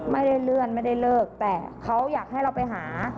ไม่ได้เลื่อนไม่ได้เลิกแต่เขาอยากให้เราไปหา